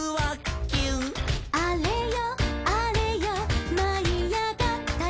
「あれよあれよまいあがったよ」